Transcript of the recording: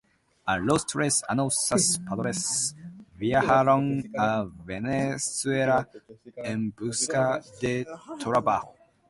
A los tres años sus padres viajaron a Venezuela en busca de trabajo.